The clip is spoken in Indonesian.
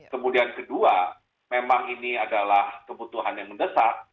kemudian kedua memang ini adalah kebutuhan yang mendesak